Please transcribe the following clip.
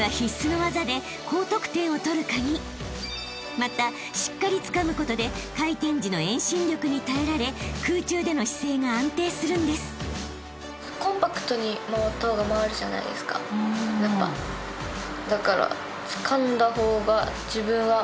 ［またしっかりつかむことで回転時の遠心力に耐えられ空中での姿勢が安定するんです］だから。